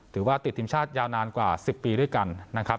ถือว่าติดทีมชาติยาวนานกว่า๑๐ปีด้วยกันนะครับ